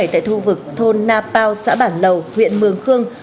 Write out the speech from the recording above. tại thu vực thôn nà pao xã bản lầu huyện mường khương